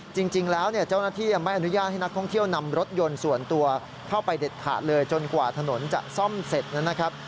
จริงแล้วเนี่ยเจ้าหน้าที่ยังไม่อนุญาตให้นักท่องเที่ยวนำรถยนต์ส่วนตัวเข้าไปเด็ดขาดเลยจนกว่าถนนจะซ่อมเสร็จนะครับ